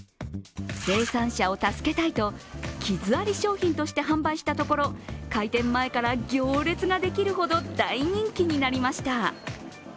生産者を助けたいと、傷あり商品として販売したところ開店前から行列ができるほど大人気になりました。